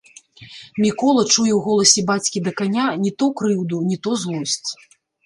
Мікола чуе ў голасе бацькі да каня не то крыўду, не то злосць.